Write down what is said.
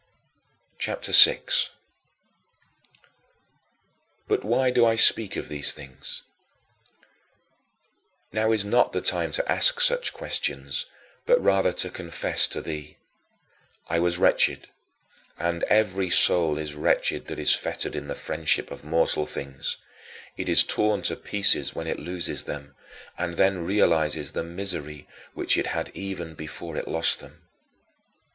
CHAPTER VI 11. But why do I speak of these things? Now is not the time to ask such questions, but rather to confess to thee. I was wretched; and every soul is wretched that is fettered in the friendship of mortal things it is torn to pieces when it loses them, and then realizes the misery which it had even before it lost them.